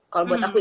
kalau buat aku itu